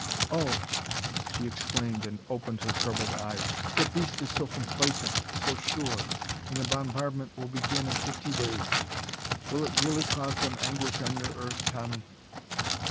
"Oh!" she exclaimed and opened her troubled eyes. "The beast is so complacent, so sure! And the bombardment will begin in fifty days! Will it really cause them anguish on your Earth, Tommy?"